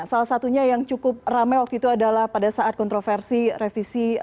salah satunya yang cukup ramai waktu itu adalah pada saat kontroversi revisi